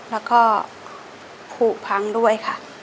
แล้วก็ขู่พังด้วยค่ะ